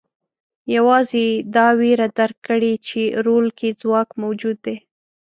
یوازې یې دا وېره درک کړې چې رول کې ځواک موجود دی.